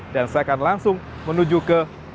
dan saya akan langsung menuju ke pusat pembangunan